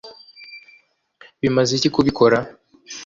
bimaze iki kubikora